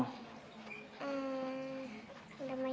gak mainan ya